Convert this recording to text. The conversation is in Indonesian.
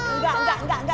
enggak enggak enggak